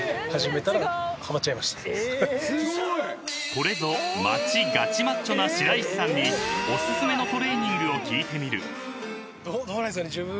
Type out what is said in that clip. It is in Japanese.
［これぞ街ガチマッチョな白石さんにお薦めのトレーニングを聞いてみる］